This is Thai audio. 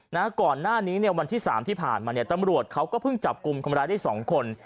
นะก่อนหน้านี้เนี่ยวันที่สามที่ผ่านมาเนี่ยตำรวจเขาก็เพิ่งจับกลุ่มคนร้ายได้สองคน